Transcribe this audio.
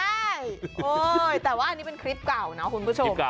ใช่แต่ว่าอันนี้เป็นคลิปเก่านะคุณผู้ชม